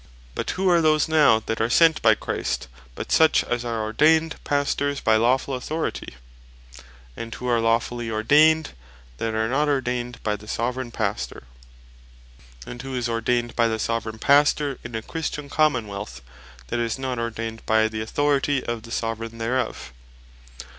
But who are those now that are sent by Christ, but such as are ordained Pastors by lawfull Authority? and who are lawfully ordained, that are not ordained by the Soveraign Pastor? and who is ordained by the Soveraign Pastor in a Christian Common wealth, that is not ordained by the authority of the Soveraign thereof?